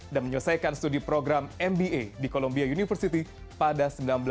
dan menyelesaikan studi program mba di columbia university pada seribu sembilan ratus sembilan puluh tujuh